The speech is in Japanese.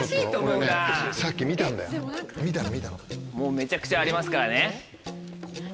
めちゃくちゃありますからね。